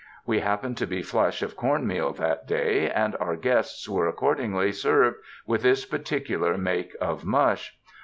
We happened to be flush of corn meal that day, and our guests were accordingly served with this particular make of mush.